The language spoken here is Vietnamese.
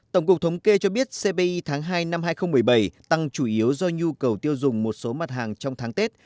tổng cục thống kê cho biết cpi tháng hai năm hai nghìn một mươi bảy tăng chủ yếu do nhu cầu tiêu dùng một số mặt hàng trong tháng tết